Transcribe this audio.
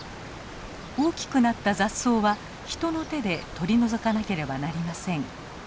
大きくなった雑草は人の手で取り除かなければなりません。